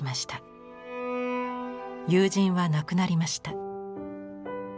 友人は亡くなりました。